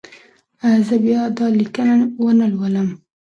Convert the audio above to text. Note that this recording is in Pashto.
زه به بیا دا لیکنه ونه لولم.